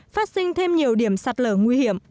phát sinh thêm nhiều điểm sạt lở nguy hiểm